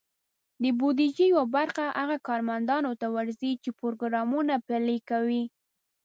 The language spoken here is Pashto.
د بودیجې یوه برخه هغه کارمندانو ته ورځي، چې پروګرامونه پلي کوي.